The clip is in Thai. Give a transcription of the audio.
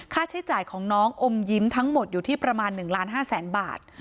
ค่าใช้จ่ายของน้องอมยิ้มทั้งหมดอยู่ที่ประมาณ๑ล้าน๕แสนบาท